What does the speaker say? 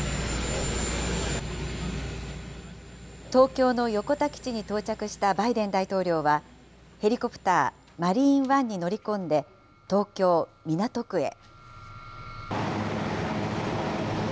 東京の横田基地に到着したバイデン大統領は、ヘリコプター、マリーン・ワンに乗り込んで、東京・港区へ。